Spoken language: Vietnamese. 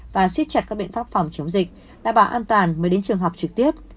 và xiết chặt các biện pháp phòng chống dịch đảm bảo an toàn mới đến trường học trực tiếp